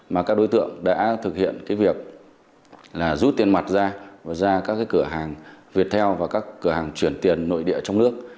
mà các đối tượng đã thực hiện cái việc là rút tiền mặt ra và ra các cửa hàng viettel và các cửa hàng chuyển tiền nội địa trong nước